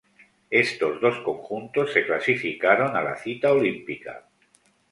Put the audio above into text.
Estos dos conjuntos se clasificaron a la cita olímpica.